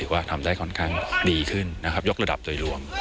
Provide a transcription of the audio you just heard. ว่าทำได้ค่อนข้างดีขึ้นนะครับยกระดับโดยรวม